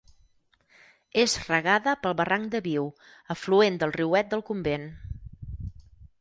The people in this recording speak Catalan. És regada pel barranc de Viu, afluent del riuet del Convent.